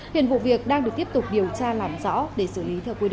hiện vụ việc đang được tiếp tục điều tra làm rõ để xử lý theo quy định